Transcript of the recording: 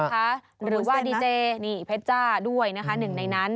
หรือว่าดีเจพระเจ้าด้วยหนึ่งในนั้น